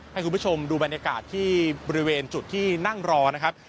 ให้คุณผู้ชมดูบรรยากาศที่บริเวณจุดที่นั่งรอนะครับ